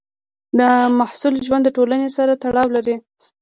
د محصل ژوند د ټولنې سره تړاو لري.